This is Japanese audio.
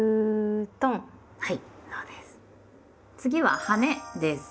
次は「はね」です。